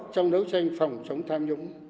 trong đấu tranh phòng chống tham nhũng